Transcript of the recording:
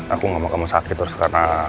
aku gak mau kamu sakit terus karena